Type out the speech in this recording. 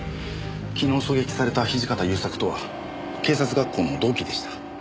昨日狙撃された土方勇作とは警察学校の同期でした。